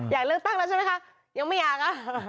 อยากเลือกตั้งแล้วใช่ไหมคะยังไม่อยาก